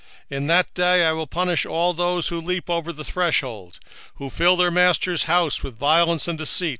1:9 In the same day also will I punish all those that leap on the threshold, which fill their masters' houses with violence and deceit.